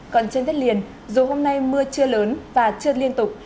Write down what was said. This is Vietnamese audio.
còn trên tết liên dù hôm nay mưa chưa lớn và chưa liên tục